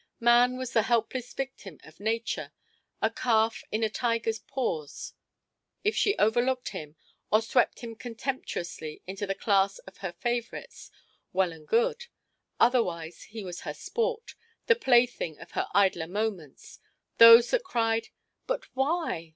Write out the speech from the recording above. Man was the helpless victim of Nature, a calf in a tiger's paws. If she overlooked him, or swept him contemptuously into the class of her favorites, well and good; otherwise he was her sport, the plaything of her idler moments. Those that cried "But why?"